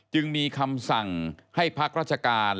จึงมีคำสั่งให้พักราชการ